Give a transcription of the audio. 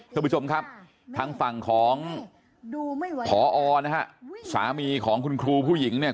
ท่านผู้ชมครับทางฝั่งของพอนะฮะสามีของคุณครูผู้หญิงเนี่ย